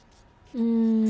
うん。